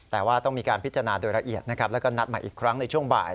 แต่ว่าต้องมีการพิจารณาโดยละเอียดนะครับแล้วก็นัดใหม่อีกครั้งในช่วงบ่าย